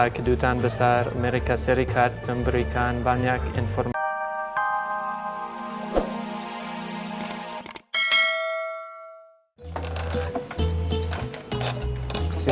kedutaan besar amerika serikat memberikan banyak informasi